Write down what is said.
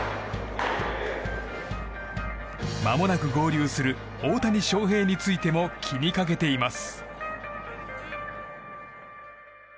まもなく合流する大谷翔平についても気をかけています。